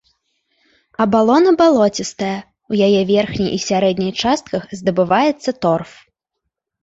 Абалона балоцістая, у яе верхняй і сярэдняй частках здабываецца торф.